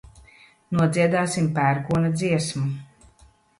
Nodziedāsim pērkona dziesmu.